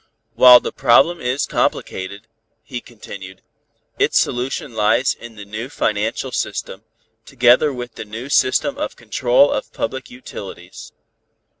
"While the problem is complicated," he continued, "its solution lies in the new financial system, together with the new system of control of public utilities."